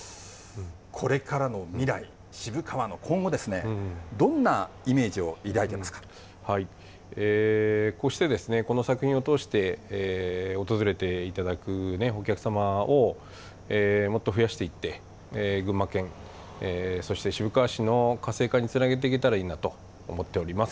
これからの未来、渋川の今後ですね、どんなイメージを抱いてこうして、この作品を通して訪れていただくお客様を、もっと増やしていって、群馬県、そして渋川市の活性化につなげていけたらいいなと思っております。